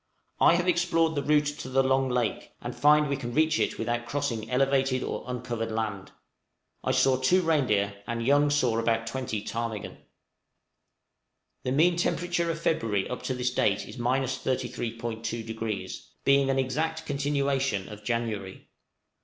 I have explored the route to the long lake, and find we can reach it without crossing elevated or uncovered land. I saw two reindeer, and Young saw about twenty ptarmigan. {UNUSUALLY SEVERE WEATHER.} The mean temperature of February up to this date is 33·2°, being an exact continuation of January.